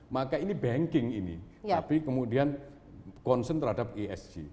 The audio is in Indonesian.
maka ini banking ini tapi kemudian concern terhadap esg